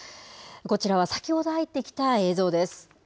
こちらは先ほど入ってきた映像です。